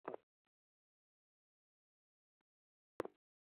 বিশুদ্ধ ও দৃঢ় ইচ্ছার শক্তি অসীম।